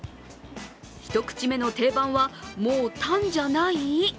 一口目の定番はもうタンじゃない？